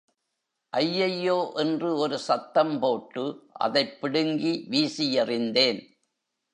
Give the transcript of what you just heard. ஐயையோ என்று ஒரு சத்தம் போட்டு அதைப் பிடுங்கி வீசியெறிந்தேன்.